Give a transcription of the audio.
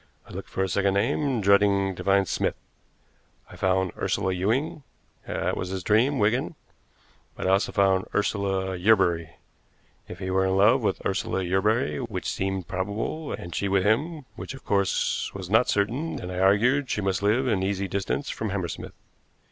I looked for a second name, dreading to find Smith. I found Ursula Ewing, that was his dream, Wigan; but I also found Ursula Yerbury. If he were in love with Ursula Yerbury, which seemed probable, and she with him, which of course was not certain, then I argued that she must live in easy distance from Hammersmith.